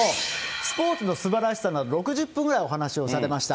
スポーツのすばらしさなど、６０分ぐらいお話しをされました。